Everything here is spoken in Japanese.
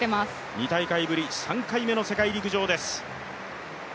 ２大会ぶり、３回目の世界陸上です。